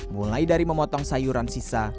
mulai dari memotong sayuran sisa